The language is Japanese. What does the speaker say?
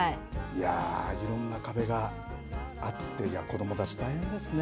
いやー、いろんな壁があって、子どもたち大変ですね。